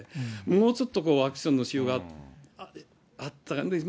もうちょっとアクションのしようがあったかなと。